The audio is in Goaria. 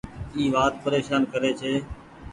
اي وآت پريشان ڪري ڇي۔